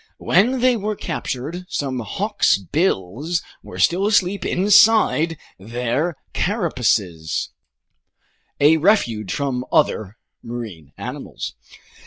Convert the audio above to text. When they were captured, some hawksbills were still asleep inside their carapaces, a refuge from other marine animals.